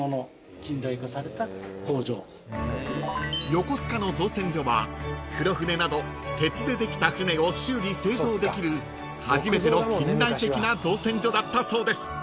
［横須賀の造船所は黒船など鉄でできた船を修理製造できる初めての近代的な造船所だったそうです］